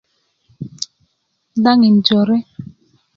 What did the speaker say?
daŋin jore